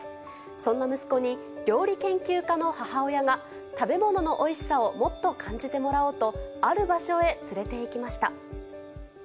そんな息子に料理研究家の母親が、食べ物のおいしさをもっと感じてもらおうと、ある場所へ連れてい